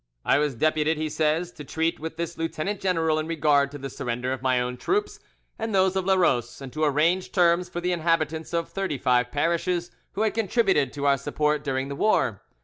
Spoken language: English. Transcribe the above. "I was deputed," he says, "to treat with this lieutenant general in regard to the surrender of my own troops and those of Larose, and to arrange terms for the inhabitants of thirty five parishes who had contributed to our support during the war.